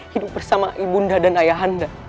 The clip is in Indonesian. hidup bersama ibunda dan ayahanda